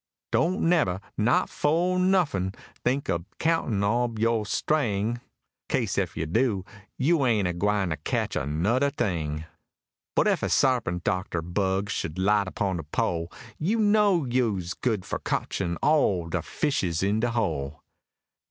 Don't nebber, not for nuffin, think ob countin' ob yo' string; 'Kase ef you do, you ain't a gwine to cotch anoder thing; But ef a sarpent doctor bug sh'd 'light upon de pole, You knows you's good for cotchin' all de fishes in de hole.